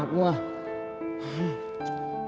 hapus banget gue